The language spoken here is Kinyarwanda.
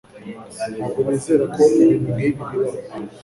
Ntabwo nizera ko ibintu nkibi bibaho